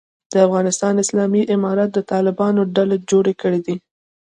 د افغانستان اسلامي امارت د طالبانو ډلې جوړ کړی دی.